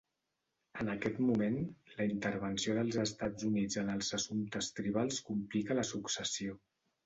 En aquest moment, la intervenció dels Estats Units en els assumptes tribals complica la successió.